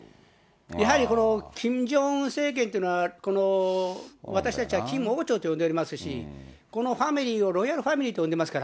やはりこのキム・ジョンウン政権っていうのは、私たちはキム王朝と呼んでおりますし、このファミリーをロイヤルファミリーと呼んでますから。